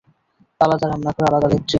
আলাদা রান্নাঘর, আলাদা ল্যাট্রিন।